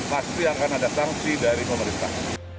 pasti akan ada sanksi dari pemerintah